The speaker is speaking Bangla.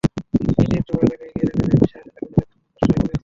হিদির ডোবা এলাকায় গিয়ে দেখা যায়, বিশাল এলাকাজুড়ে ধানগাছ নষ্ট হয়ে পড়ে আছে।